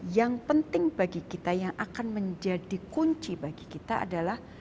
yang penting bagi kita yang akan menjadi kunci bagi kita adalah